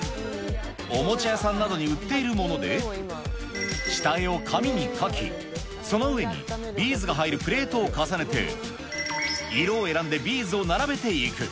おもちゃ屋さんなどに売っているもので、下絵を紙に描き、その上にビーズが入るプレートを重ねて、色を選んでビーズを並べていく。